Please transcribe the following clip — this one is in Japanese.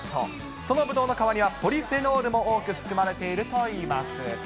そのブドウの皮にはポリフェノールも多く含まれているといいます。